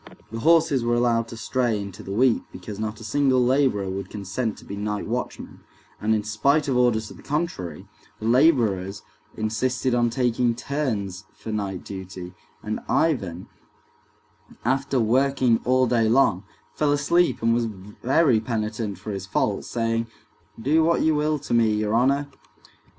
The horses were allowed to stray into the wheat because not a single laborer would consent to be night watchman, and in spite of orders to the contrary, the laborers insisted on taking turns for night duty, and Ivan, after working all day long, fell asleep, and was very penitent for his fault, saying, "Do what you will to me, your honor."